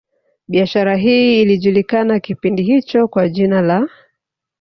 Biashara hii ilijulikana kipindi hicho kwa jina la